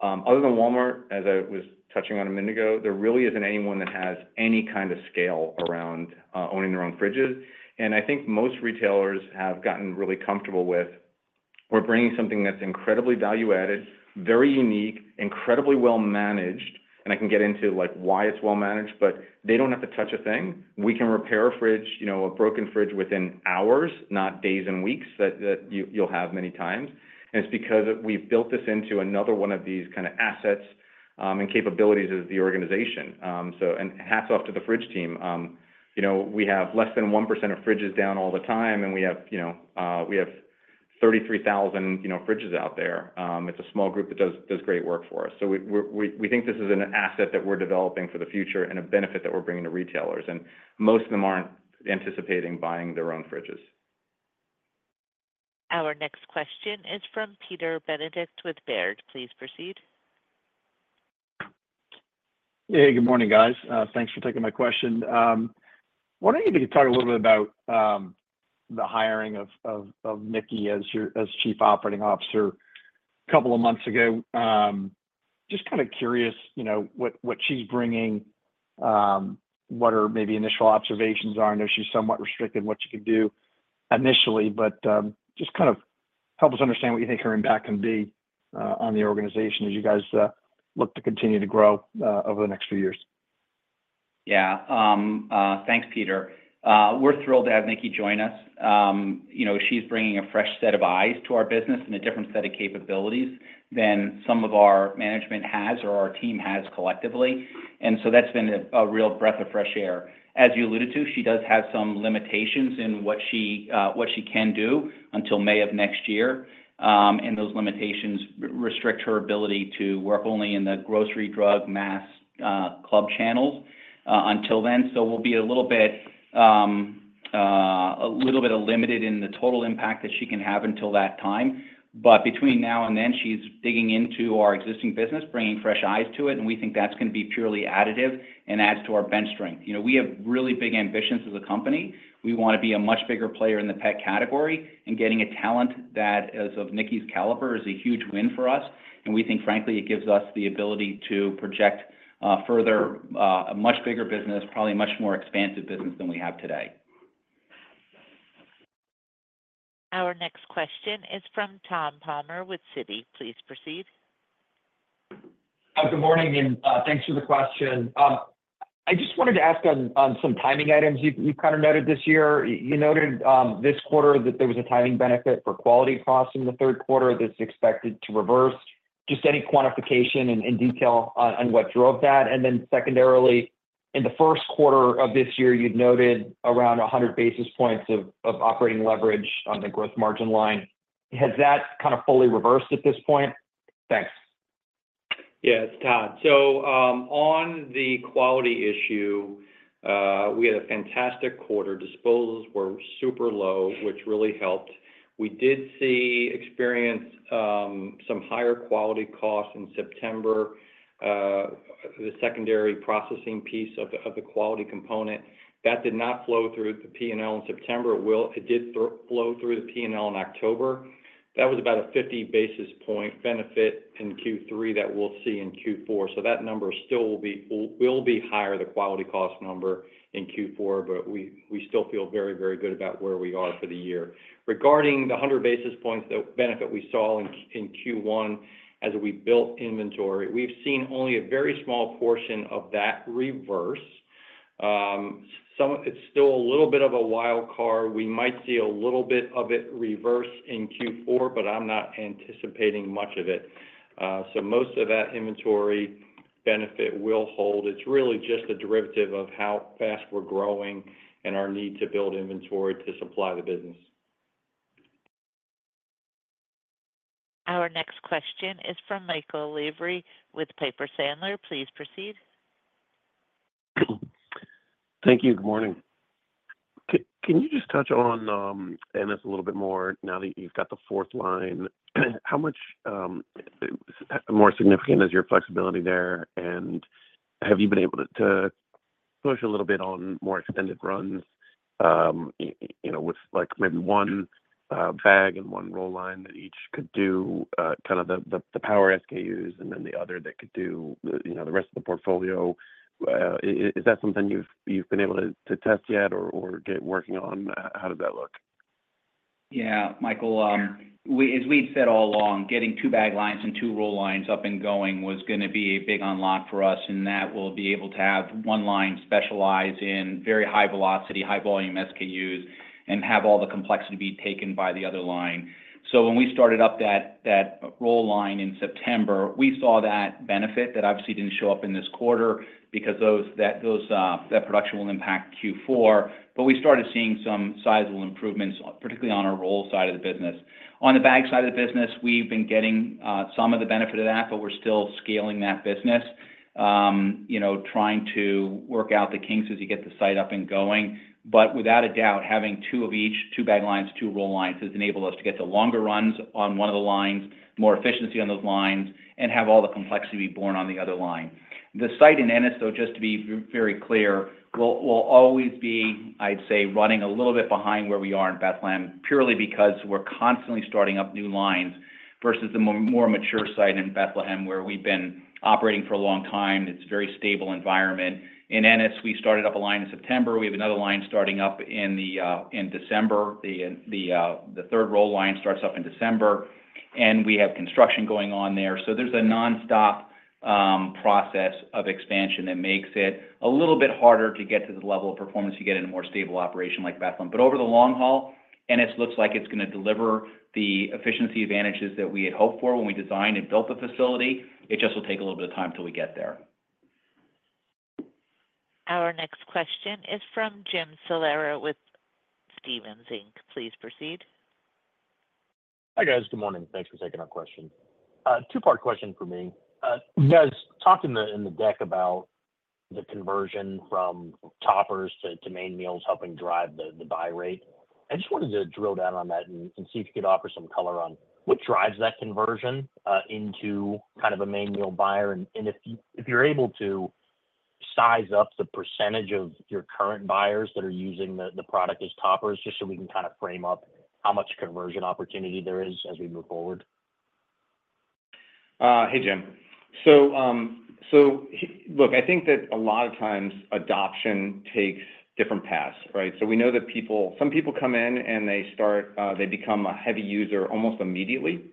Other than Walmart, as I was touching on a minute ago, there really isn't anyone that has any kind of scale around owning their own fridges. And I think most retailers have gotten really comfortable with we're bringing something that's incredibly value-added, very unique, incredibly well-managed. And I can get into why it's well-managed, but they don't have to touch a thing. We can repair a fridge, a broken fridge within hours, not days and weeks that you'll have many times. And it's because we've built this into another one of these kind of assets and capabilities as the organization. And hats off to the fridge team. We have less than 1% of fridges down all the time, and we have 33,000 fridges out there. It's a small group that does great work for us. So we think this is an asset that we're developing for the future and a benefit that we're bringing to retailers, and most of them aren't anticipating buying their own fridges. Our next question is from Peter Benedict with Baird. Please proceed. Hey, good morning, guys. Thanks for taking my question. I wonder if you could talk a little bit about the hiring of as Chief Operating Officer a couple of months ago. Just kind of curious what she's bringing, what her maybe initial observations are. I know she's somewhat restricted in what she could do initially, but just kind of help us understand what you think her impact can be on the organization as you guys look to continue to grow over the next few years? Yeah. Thanks, Peter. We're thrilled to have join us. She's bringing a fresh set of eyes to our business and a different set of capabilities than some of our management has or our team has collectively. And so that's been a real breath of fresh air. As you alluded to, she does have some limitations in what she can do until May of next year. And those limitations restrict her ability to work only in the grocery, drug, mass club channels until then. So we'll be a little bit limited in the total impact that she can have until that time. But between now and then, she's digging into our existing business, bringing fresh eyes to it, and we think that's going to be purely additive and adds to our bench strength. We have really big ambitions as a company. We want to be a much bigger player in the pet category and getting a talent that, as of 's caliber, is a huge win for us. And we think, frankly, it gives us the ability to project further a much bigger business, probably a much more expansive business than we have today. Our next question is from Tom Palmer with Citi. Please proceed. Good morning, and thanks for the question. I just wanted to ask on some timing items you've kind of noted this year. You noted this quarter that there was a timing benefit for quality costs in the Q3 that's expected to reverse. Just any quantification and detail on what drove that? And then secondarily, in the Q1 of this year, you've noted around 100 basis points of operating leverage on the gross margin line. Has that kind of fully reversed at this point? Thanks. Yeah, it's Todd. So on the quality issue, we had a fantastic quarter. Disposals were super low, which really helped. We did experience some higher quality costs in September, the secondary processing piece of the quality component. That did not flow through the P&L in September. It did flow through the P&L in October. That was about a 50 basis point benefit in Q3 that we'll see in Q4. So that number still will be higher, the quality cost number in Q4, but we still feel very, very good about where we are for the year. Regarding the 100 basis points benefit we saw in Q1 as we built inventory, we've seen only a very small portion of that reverse. It's still a little bit of a wild card. We might see a little bit of it reverse in Q4, but I'm not anticipating much of it. So most of that inventory benefit will hold. It's really just a derivative of how fast we're growing and our need to build inventory to supply the business. Our next question is from Michael Lavery with Piper Sandler. Please proceed. Thank you. Good morning. Can you just touch on this a little bit more now that you've got the fourth line? How much more significant is your flexibility there? And have you been able to push a little bit on more extended runs with maybe one bag and one roll line that each could do kind of the power SKUs and then the other that could do the rest of the portfolio? Is that something you've been able to test yet or get working on? How does that look? Yeah. Michael, as we've said all along, getting two bag lines and two roll lines up and going was going to be a big unlock for us, and that we'll be able to have one line specialize in very high velocity, high volume SKUs and have all the complexity be taken by the other line. So when we started up that roll line in September, we saw that benefit that obviously didn't show up in this quarter because that production will impact Q4. But we started seeing some sizable improvements, particularly on our roll side of the business. On the bag side of the business, we've been getting some of the benefit of that, but we're still scaling that business, trying to work out the kinks as you get the site up and going. But without a doubt, having two of each, two bag lines, two roll lines, has enabled us to get the longer runs on one of the lines, more efficiency on those lines, and have all the complexity be borne on the other line. The site in Ennis, though, just to be very clear, will always be, I'd say, running a little bit behind where we are in Bethlehem, purely because we're constantly starting up new lines versus the more mature site in Bethlehem, where we've been operating for a long time. It's a very stable environment. In Ennis, we started up a line in September. We have another line starting up in December. The third roll line starts up in December, and we have construction going on there. So there's a nonstop process of expansion that makes it a little bit harder to get to the level of performance you get in a more stable operation like Bethlehem. But over the long haul, Ennis looks like it's going to deliver the efficiency advantages that we had hoped for when we designed and built the facility. It just will take a little bit of time until we get there. Our next question is from Jim Salera with Stephens Inc. Please proceed. Hi guys. Good morning. Thanks for taking our question. Two-part question for me. You guys talked in the deck about the conversion from toppers to main meals helping drive the buy rate. I just wanted to drill down on that and see if you could offer some color on what drives that conversion into kind of a main meal buyer. And if you're able to size up the percentage of your current buyers that are using the product as toppers, just so we can kind of frame up how much conversion opportunity there is as we move forward? Hey, Jim. So look, I think that a lot of times adoption takes different paths, right? So we know that some people come in and they become a heavy user almost immediately,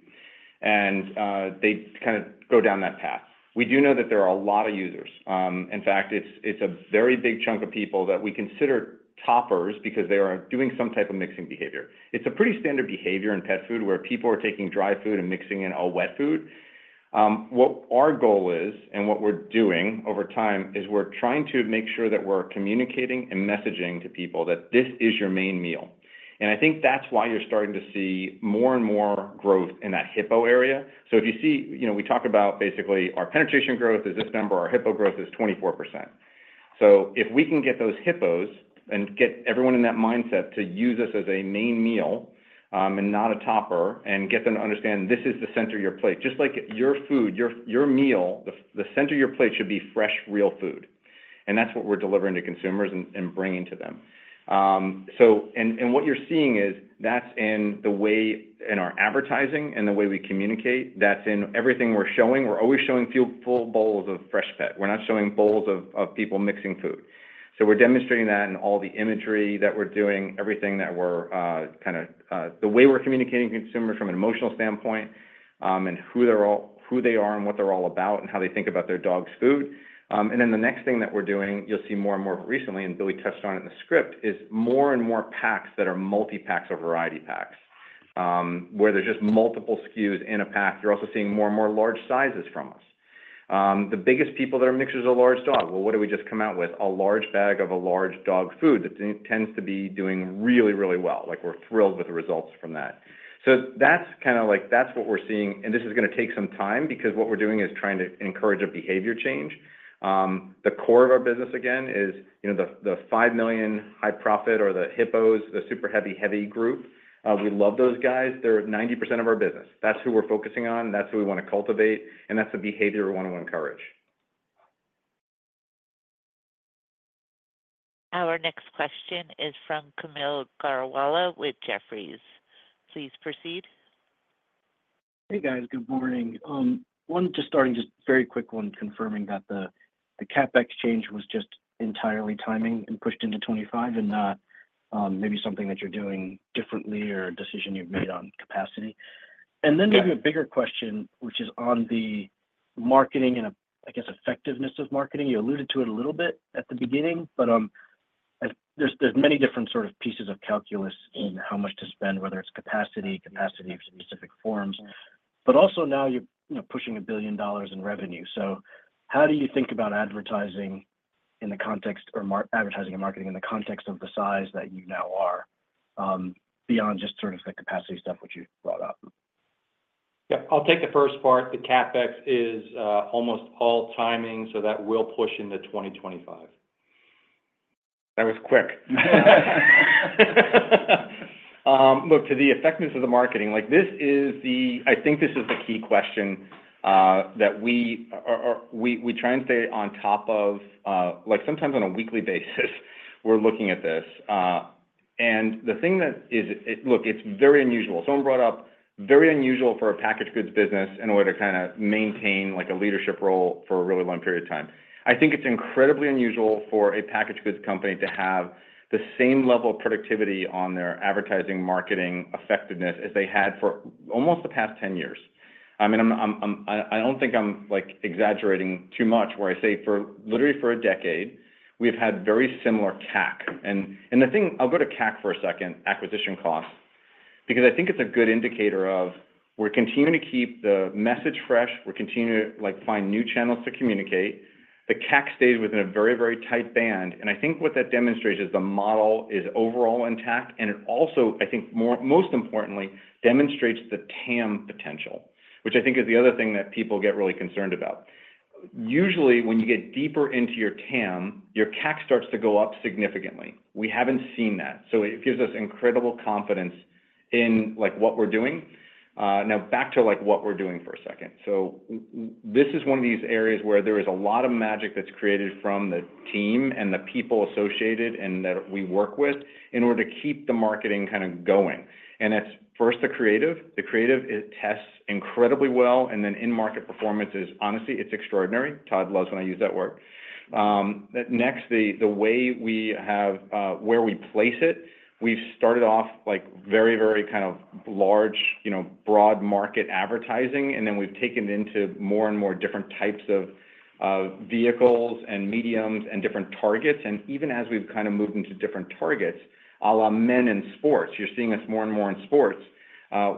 and they kind of go down that path. We do know that there are a lot of users. In fact, it's a very big chunk of people that we consider toppers because they are doing some type of mixing behavior. It's a pretty standard behavior in pet food where people are taking dry food and mixing in a wet food. What our goal is, and what we're doing over time, is we're trying to make sure that we're communicating and messaging to people that this is your main meal, and I think that's why you're starting to see more and more growth in that HIPPO area, so if you see, we talk about basically our penetration growth is this number. Our HIPPO growth is 24%, so if we can get those HIPPOs and get everyone in that mindset to use us as a main meal and not a topper and get them to understand this is the center of your plate. Just like your food, your meal, the center of your plate should be fresh, real food, and that's what we're delivering to consumers and bringing to them. What you're seeing is that's in the way in our advertising and the way we communicate. That's in everything we're showing. We're always showing full bowls of Freshpet. We're not showing bowls of people mixing food. So we're demonstrating that in all the imagery that we're doing, everything that we're kind of the way we're communicating to consumers from an emotional standpoint and who they are and what they're all about and how they think about their dog's food. Then the next thing that we're doing, you'll see more and more recently, and Billy touched on it in the script, is more and more packs that are multi-packs or variety packs where there's just multiple SKUs in a pack. You're also seeing more and more large sizes from us. The biggest people that are mixers are large dogs. What do we just come out with? A large bag of a large dog food that tends to be doing really, really well. We're thrilled with the results from that. So that's kind of like that's what we're seeing, and this is going to take some time because what we're doing is trying to encourage a behavior change. The core of our business, again, is the 5 million high profit or the HIPPOs, the super heavy, heavy group. We love those guys. They're 90% of our business. That's who we're focusing on. That's who we want to cultivate, and that's the behavior we want to encourage. Our next question is from Kaumil Gajrawala with Jefferies. Please proceed. Hey, guys. Good morning. Just starting just very quick on confirming that the CapEx change was just entirely timing and pushed into 2025 and not maybe something that you're doing differently or a decision you've made on capacity. And then maybe a bigger question, which is on the marketing and, I guess, effectiveness of marketing. You alluded to it a little bit at the beginning, but there's many different sort of pieces of calculus in how much to spend, whether it's capacity, capacity of specific forms. But also now you're pushing $1 billion in revenue. So how do you think about advertising in the context or advertising and marketing in the context of the size that you now are beyond just sort of the capacity stuff, which you brought up? Yep. I'll take the first part. The CapEx is almost all timing, so that will push into 2025. That was quick. Look, to the effectiveness of the marketing, this is, I think, the key question that we try and stay on top of. Sometimes on a weekly basis, we're looking at this. And the thing that is, look, it's very unusual. Someone brought up very unusual for a packaged goods business in order to kind of maintain a leadership role for a really long period of time. I think it's incredibly unusual for a packaged goods company to have the same level of productivity on their advertising, marketing, effectiveness as they had for almost the past 10 years.I mean, I don't think I'm exaggerating too much where I say literally for a decade, we've had very similar CAC. And I'll go to CAC for a second, acquisition costs, because I think it's a good indicator of we're continuing to keep the message fresh. We're continuing to find new channels to communicate. The CAC stays within a very, very tight band. And I think what that demonstrates is the model is overall intact. And it also, I think most importantly, demonstrates the TAM potential, which I think is the other thing that people get really concerned about. Usually, when you get deeper into your TAM, your CAC starts to go up significantly. We haven't seen that. So it gives us incredible confidence in what we're doing. Now, back to what we're doing for a second. So this is one of these areas where there is a lot of magic that's created from the team and the people associated and that we work with in order to keep the marketing kind of going. And it's first the creative. The creative tests incredibly well. And then in-market performance is, honestly, it's extraordinary. Todd loves when I use that word. Next, the way we have where we place it, we've started off very, very kind of large, broad market advertising, and then we've taken it into more and more different types of vehicles and mediums and different targets. And even as we've kind of moved into different targets, a la men in sports, you're seeing us more and more in sports.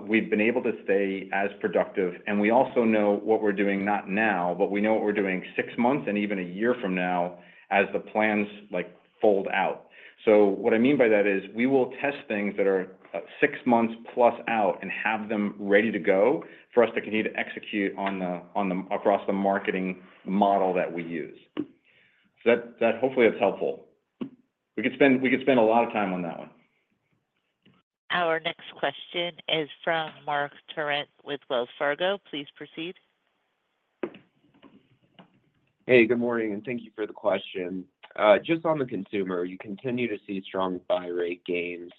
We've been able to stay as productive. And we also know what we're doing not now, but we know what we're doing six months and even a year from now as the plans fold out. So what I mean by that is we will test things that are six months plus out and have them ready to go for us to continue to execute across the marketing model that we use. So hopefully, that's helpful. We could spend a lot of time on that one. Our next question is from Marc Torrente with Wells Fargo. Please proceed. Hey, good morning. And thank you for the question. Just on the consumer, you continue to see strong buy rate gains.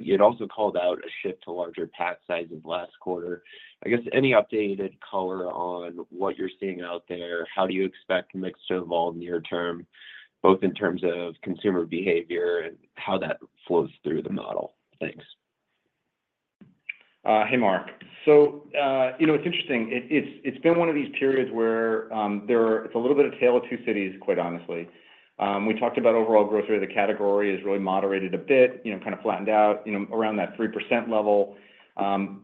You had also called out a shift to larger pack sizes last quarter. I guess any updated color on what you're seeing out there? How do you expect mix to evolve near term, both in terms of consumer behavior and how that flows through the model? Thanks. Hey, Mark. So it's interesting. It's been one of these periods where it's a little bit of Tale of Two Cities, quite honestly. We talked about overall growth through the category is really moderated a bit, kind of flattened out around that 3% level.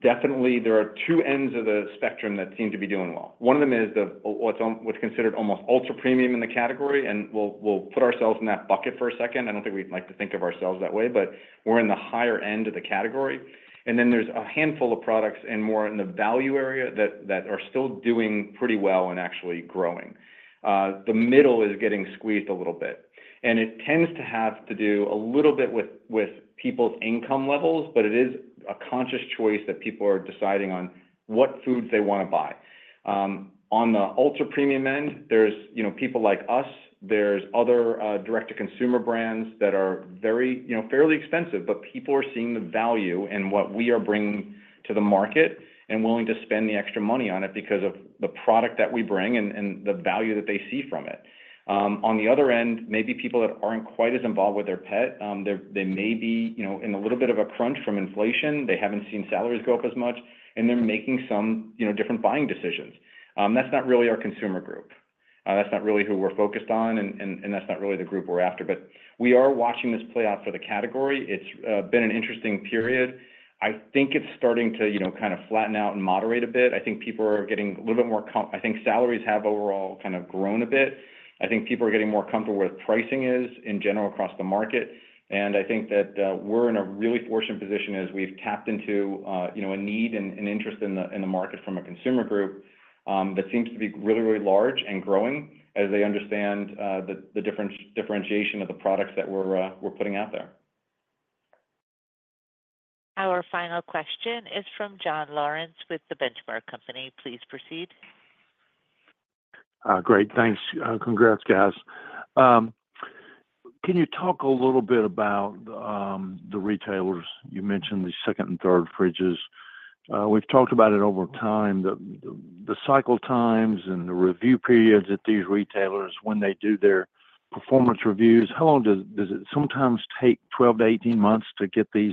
Definitely, there are two ends of the spectrum that seem to be doing well. One of them is what's considered almost ultra premium in the category. We'll put ourselves in that bucket for a second. I don't think we'd like to think of ourselves that way, but we're in the higher end of the category. Then there's a handful of products and more in the value area that are still doing pretty well and actually growing. The middle is getting squeezed a little bit. It tends to have to do a little bit with people's income levels, but it is a conscious choice that people are deciding on what foods they want to buy. On the ultra premium end, there's people like us. There's other direct-to-consumer brands that are fairly expensive, but people are seeing the value and what we are bringing to the market and willing to spend the extra money on it because of the product that we bring and the value that they see from it. On the other end, maybe people that aren't quite as involved with their pet, they may be in a little bit of a crunch from inflation. They haven't seen salaries go up as much, and they're making some different buying decisions. That's not really our consumer group. That's not really who we're focused on, and that's not really the group we're after. But we are watching this play out for the category. It's been an interesting period. I think it's starting to kind of flatten out and moderate a bit. I think salaries have overall kind of grown a bit. I think people are getting more comfortable with where pricing is in general across the market. And I think that we're in a really fortunate position as we've tapped into a need and interest in the market from a consumer group that seems to be really, really large and growing as they understand the differentiation of the products that we're putting out there. Our final question is from John Lawrence with The Benchmark Company. Please proceed. Great. Thanks. Congrats, guys. Can you talk a little bit about the retailers? You mentioned the second and third fridges. We've talked about it over time, the cycle times and the review periods at these retailers when they do their performance reviews. How long does it sometimes take? 12-18 months to get these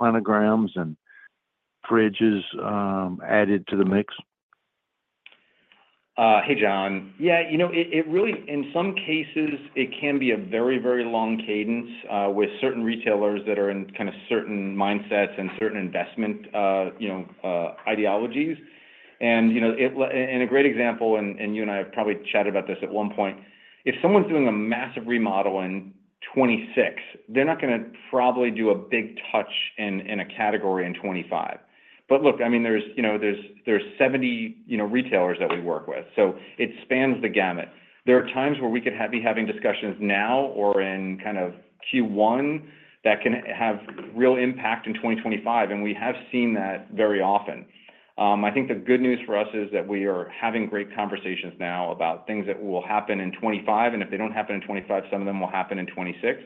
planograms and fridges added to the mix? Hey, John. Yeah. In some cases, it can be a very, very long cadence with certain retailers that are in kind of certain mindsets and certain investment ideologies. A great example, and you and I have probably chatted about this at one point, if someone's doing a massive remodel in 2026, they're not going to probably do a big touch in a category in 2025. Look, I mean, there's 70 retailers that we work with. It spans the gamut. There are times where we could be having discussions now or in kind of Q1 that can have real impact in 2025. We have seen that very often. I think the good news for us is that we are having great conversations now about things that will happen in 2025. If they don't happen in 2025, some of them will happen in 2026.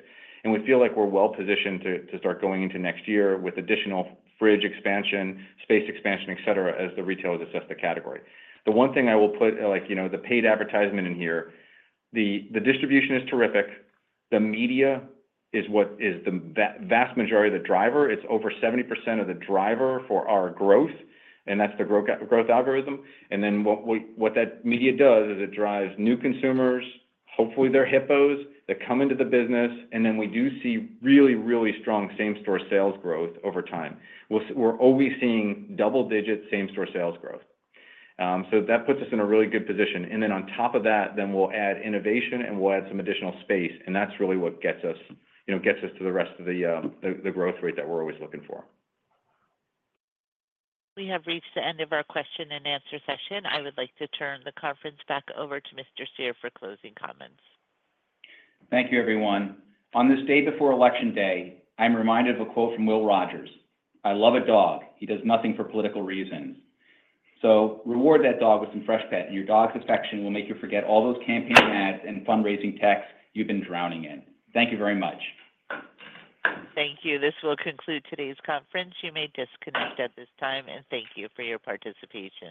We feel like we're well positioned to start going into next year with additional fridge expansion, space expansion, etc., as the retailers assess the category. The one thing I will put the paid advertisement in here, the distribution is terrific. The media is the vast majority of the driver. It's over 70% of the driver for our growth, and that's the growth algorithm. And then what that media does is it drives new consumers, hopefully they're HIPPOs that come into the business. And then we do see really, really strong same-store sales growth over time. We're always seeing double-digit same-store sales growth. So that puts us in a really good position. And then on top of that, then we'll add innovation and we'll add some additional space. And that's really what gets us to the rest of the growth rate that we're always looking for. We have reached the end of our question and answer session. I would like to turn the conference back over to Mr. Sonnek for closing comments. Thank you, everyone. On this day before Election Day, I'm reminded of a quote from Will Rogers, "I love a dog. He does nothing for political reasons." So reward that dog with some Freshpet, and your dog's affection will make you forget all those campaign ads and fundraising texts you've been drowning in. Thank you very much. Thank you. This will conclude today's conference. You may disconnect at this time, and thank you for your participation.